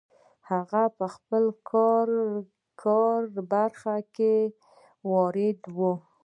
هغه په خپله کاري برخه کې وارد وي.